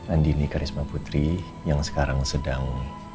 andini karisma putri yang sekarang sedang